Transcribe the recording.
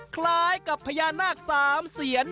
คล้ายกับพญานาค๓เสียน